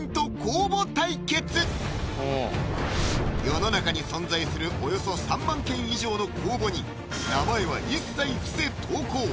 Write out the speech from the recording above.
世の中に存在するおよそ３万件以上の公募に名前は一切伏せ投稿！